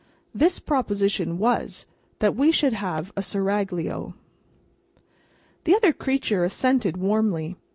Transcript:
This proposition was, that we should have a Seraglio. The other creature assented warmly.